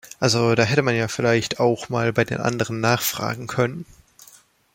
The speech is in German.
Also, da hätte man ja vielleicht auch mal bei den anderen nachfragen können!